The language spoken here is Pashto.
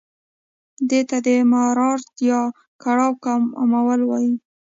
دې ته د مرارت یا کړاو کمول وايي.